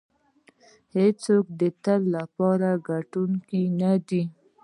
هېڅوک د تل لپاره ګټونکی نه دی.